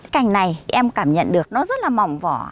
cảnh này em cảm nhận được nó rất là mỏng vỏ